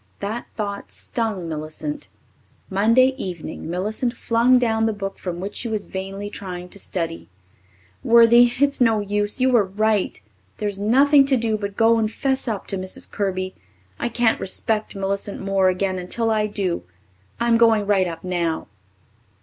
That thought stung Millicent. Monday evening Millicent flung down the book from which she was vainly trying to study. "Worthie, it's no use. You were right. There's nothing to do but go and 'fess up to Mrs. Kirby. I can't respect Millicent Moore again until I do. I'm going right up now."